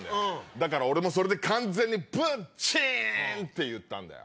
だから俺それで完全にブッチン！って言ったんだよ。